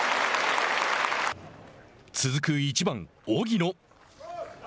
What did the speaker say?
続く１番荻野。